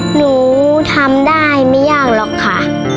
หนูทำได้ไม่ยากหรอกค่ะ